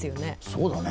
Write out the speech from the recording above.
そうだね。